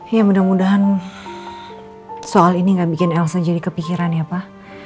ya mudah mudahan soal ini gak bikin elsa jadi kepikiran ya pak